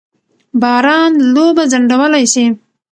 باران لوبه ځنډولای سي.